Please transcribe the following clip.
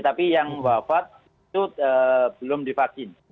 tapi yang wafat itu belum divaksin